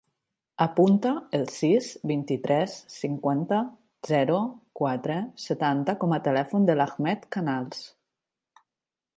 Apunta el sis, vint-i-tres, cinquanta, zero, quatre, setanta com a telèfon de l'Ahmed Canals.